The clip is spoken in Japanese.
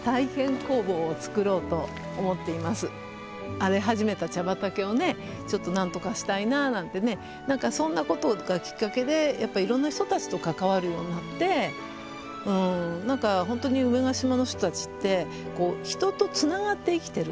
荒れ始めた茶畑をねちょっとなんとかしたいなぁなんてねなんかそんなことがきっかけでやっぱいろんな人たちと関わるようになってうんなんかほんとに梅ヶ島の人たちって人とつながって生きてる。